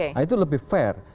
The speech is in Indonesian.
nah itu lebih fair